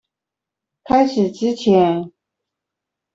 開始之前